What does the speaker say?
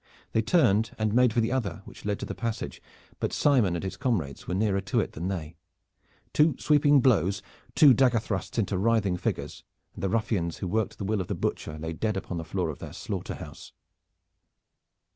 They turned and made for the other which led to the passage, but Simon and his comrades were nearer to it than they. Two sweeping blows, two dagger thrusts into writhing figures, and the ruffians who worked the will of the Butcher lay dead upon the floor of their slaughter house.